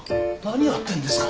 何やってんですか？